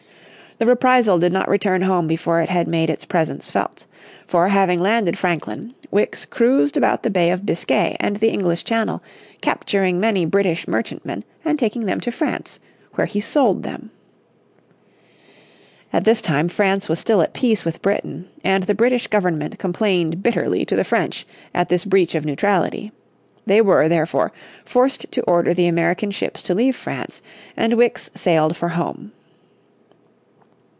The Reprisal did not return home before it had made its presence felt. For, having landed Franklin, Wickes cruised about the Bay of Biscay and the English Channel, capturing many British merchantmen, and taking them to France, where he sold them. At this time France was still at peace with Britain, and the British Government complained bitterly to the French at this breach of neutrality. They were, therefore, forced to order the American ships to leave France, and Wickes sailed for home.